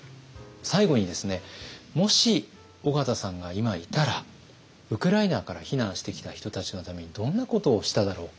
最後にですねもし緒方さんが今いたらウクライナから避難してきた人たちのためにどんなことをしただろうか。